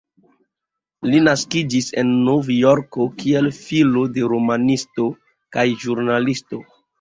Li naskiĝis en Novjorko, kiel filo de romanisto kaj ĵurnalisto.